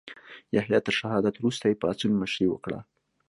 یحیی تر شهادت وروسته یې پاڅون مشري وکړه.